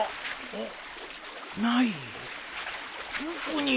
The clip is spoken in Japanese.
あっ。